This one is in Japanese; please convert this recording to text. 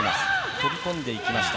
飛び込んでいきました。